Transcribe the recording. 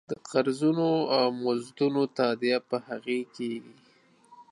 د قرضونو او مزدونو تادیه په هغې کېږي.